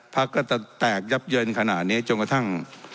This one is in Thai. พักก็จะแตกยับเยินขนาดนี้จนกระทั่ง